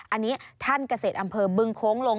อันนี้ท่านเกษตรอำเภอบึงโค้งลง